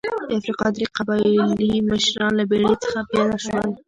د افریقا درې قبایلي مشران له بېړۍ څخه پیاده شول.